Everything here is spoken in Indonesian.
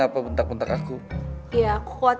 dalam perguruan suku gua itu